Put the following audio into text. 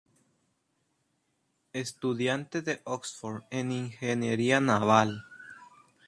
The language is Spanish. Estudiante de Oxford en Ingeniería Naval.